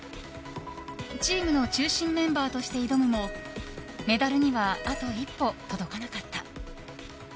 チームの中心メンバーとして挑むもメダルにはあと一歩届かなかった。